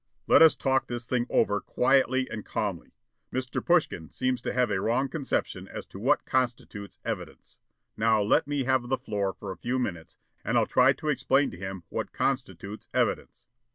Let us talk this thing over quietly and calmly. Mr. Pushkin seems to have a wrong conception as to what constitutes evidence. Now, let me have the floor for a few minutes, and I'll try to explain to him what constitutes evidence."